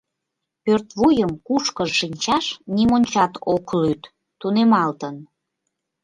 Пӧртвуйым кушкыж шинчаш нимончат ок лӱд — тунемалтын.